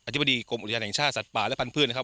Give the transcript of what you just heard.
ธิบดีกรมอุทยานแห่งชาติสัตว์ป่าและพันธุ์นะครับ